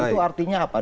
itu artinya apa